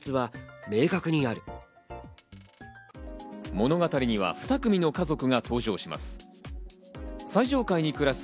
物語には２組の家族が登場します。